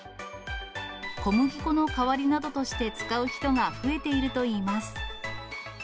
小麦粉の代わりなどとして使う人が増えているといいます。